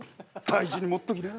大事に持っときな。